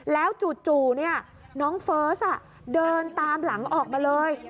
แล้วจู่จู่เนี้ยน้องเฟิร์สอ่ะเดินตามหลังออกมาเลย